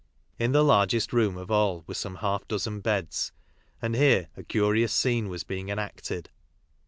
In the largest room of all were some half dozen beds and here a curious scene was being enacted.